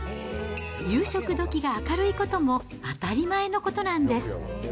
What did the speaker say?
夕食どきが明るいことも当たり前のことなんです。